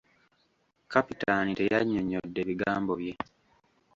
Kapitaani teyannyonnyodde bigambo bye.